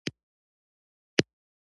په افغانستان کې د لعل منابع شته.